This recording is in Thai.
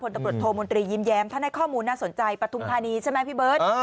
ผลตำรวจโทรมนตรียิ้มแย้มถ้าในข้อมูลน่าสนใจประทุมค่านี้ใช่ไหมพี่เบิร์ต